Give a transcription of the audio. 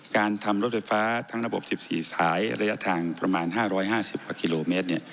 การทำรถไฟฟ้าทั้งระบบ๑๔สายระยะทางประมาณ๕๕๐กว่ากิโลเมตร